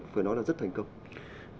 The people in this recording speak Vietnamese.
phải nói là rất thành công